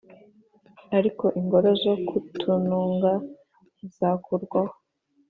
Ariko ingoro zo ku tununga ntizakurwaho